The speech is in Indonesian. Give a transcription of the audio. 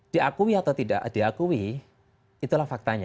diakui atau tidak diakui itulah faktanya